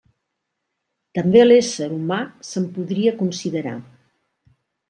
També l'ésser humà se'n podria considerar.